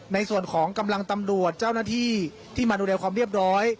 ในส่วนของกำลังตำรวจเจ้าหน้าที่ที่มาดูแลความเรียบร้อย